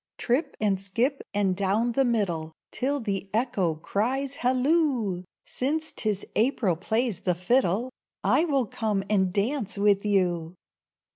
Trip and skip, and down the middle, Till the Echo cries, "Halloo! Since 'tis April plays the fiddle, I will come and dance with you!"